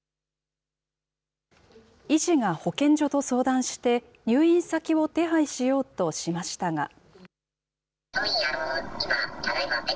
医師が保健所と相談して入院先を手配しようとしましたが。